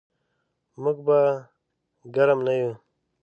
موږ به ګرم نه یو.